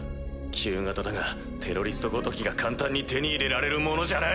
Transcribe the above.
旧型だがテロリストごときが簡単に手に入れられるものじゃない。